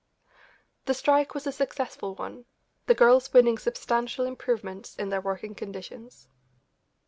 The strike was a successful one, the girls winning substantial improvements in their working conditions.